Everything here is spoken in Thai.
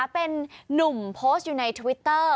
เป็นนุ่มโพสต์อยู่ในทวิตเตอร์